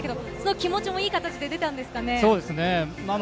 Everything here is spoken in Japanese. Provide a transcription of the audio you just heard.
気持ちもいい形で出たんでしょうか？